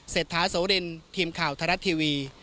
เศรษฐาโสดินทีมข่าวทรัตน์ทีวี